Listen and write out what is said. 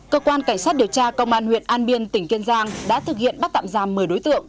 cơ quan cảnh sát điều tra công an huyện an biên tỉnh kiên giang đã thực hiện bắt tạm giam một mươi đối tượng